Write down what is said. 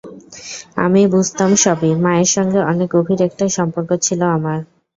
আমি বুঝতাম সবই, মায়ের সঙ্গে অনেক গভীর একটা সম্পর্ক ছিল আমার।